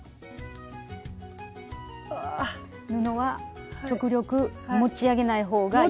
布は極力持ち上げない方がいいです。